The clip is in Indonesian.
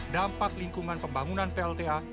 dampak lingkungan pembangunan plta